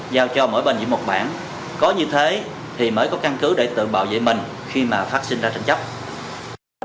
giao cho mỗi bên dưới một bảng có như thế thì mới có căn cứ để tự bảo vệ mình khi mà phát sinh ra tranh chấp